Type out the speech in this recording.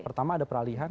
pertama ada peralihan